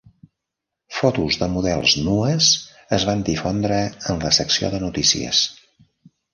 Fotos de models nues es van difondre en la secció de notícies.